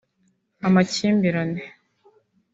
amakimbirane